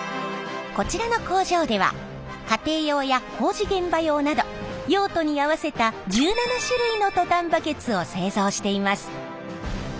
こちらの工場では家庭用や工事現場用など用途に合わせた１７種類のトタンバケツを製造しています。